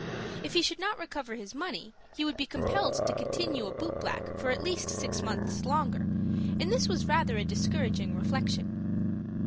If he should not recover his money, he would be compelled to continue a boot black for at least six months longer; and this was rather a discouraging reflection.